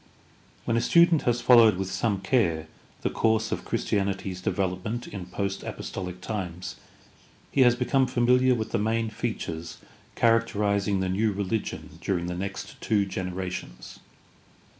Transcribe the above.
— When a student has followed with some care the course of Christianity's development in post apostolic times, he has become familiar with the main features char acterizing the new religion during the next two generations.